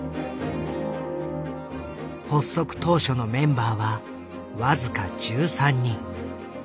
発足当初のメンバーは僅か１３人。